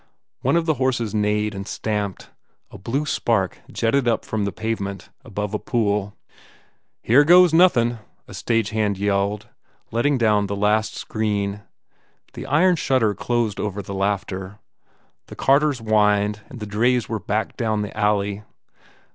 One of the horses neighed and stamped. A blue spark jetted up from the pave ment, above a pool. "Here goes nothin ," a stage hand yelled, let ting down the last screen. The iron shutter closed over the laughter. The carters whined and the drays were backed down the alley.